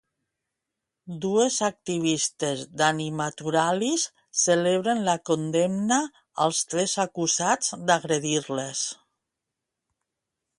Dues activistes d'AnimaNaturalis celebren la condemna als tres acusats d'agredir-les.